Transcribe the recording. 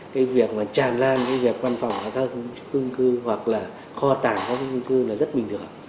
cái việc mà tràn lan cái việc văn phòng hóa thân khung cư hoặc là kho tàng hoặc là khung cư là rất bình thường